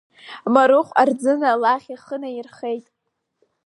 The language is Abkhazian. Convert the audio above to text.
Марыхә Арӡына лахь ихы наирхеит.